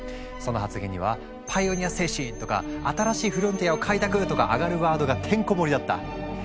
その発言には「パイオニア精神」とか「新しいフロンティアを開拓」とかアガるワードがてんこもりだった。